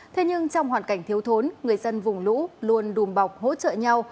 thế nhưng trong hoàn cảnh thiếu thốn người dân vùng lũ luôn đùm bọc hỗ trợ nhau